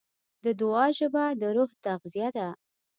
د دعا ژبه د روح تغذیه ده.